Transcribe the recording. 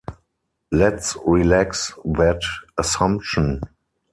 Let's relax that assumption.